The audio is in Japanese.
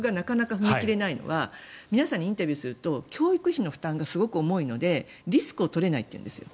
踏み切れないのは皆さんにインタビューすると教育費の負担が大きいのでリスクを取れないというんです。